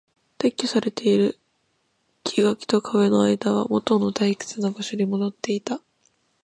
撤去されている。生垣と壁の間はもとの退屈な場所に戻っていた。